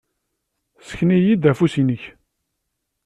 Ssken-iyi-d afus-nnek.